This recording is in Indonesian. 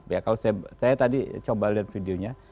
ya kalau saya tadi coba lihat videonya